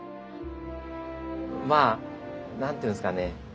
まあ何て言うんですかね